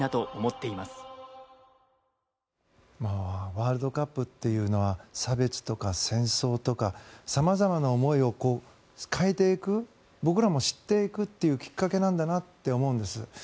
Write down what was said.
ワールドカップっていうのは、差別とか戦争とか様々な思いを変えていく僕らも知っていくというきっかけなんだなって思うんです。